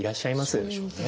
そうでしょうね。